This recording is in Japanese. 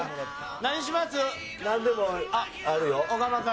なんでもあるよ。